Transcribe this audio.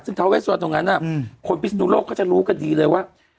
ซึ่งท้าเวสวันตรงนั้นคนพิศนุโลกก็จะรู้กันดีเลยว่า